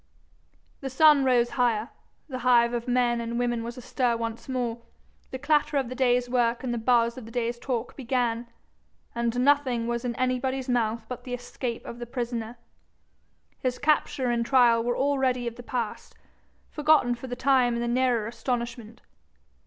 The sun rose higher; the hive of men and women was astir once more; the clatter of the day's work and the buzz of the day's talk began, and nothing was in anybody's mouth but the escape of the prisoner. His capture and trial were already of the past, forgotten for the time in the nearer astonishment.